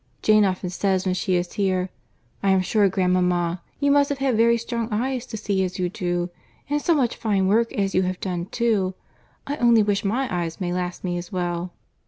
Jane often says, when she is here, 'I am sure, grandmama, you must have had very strong eyes to see as you do—and so much fine work as you have done too!—I only wish my eyes may last me as well.